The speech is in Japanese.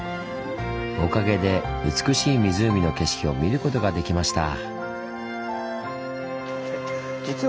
おかげで美しい湖の景色を見ることができました！